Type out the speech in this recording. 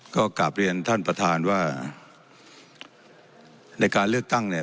ก็กลับเรียนท่านประธานว่าในการเลือกตั้งเนี่ย